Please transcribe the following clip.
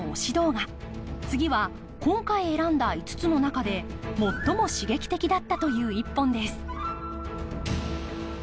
次は今回選んだ５つの中で最も刺激的だったという１本です。